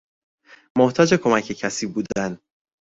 محتاج کمک کسی بودن